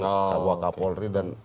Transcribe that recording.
kabupaten kapolri dan